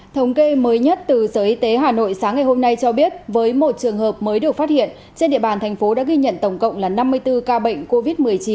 thống kê mới nhất từ sở y tế hà nội sáng ngày hôm nay cho biết với một trường hợp mới được phát hiện trên địa bàn thành phố đã ghi nhận tổng cộng là năm mươi bốn ca bệnh covid một mươi chín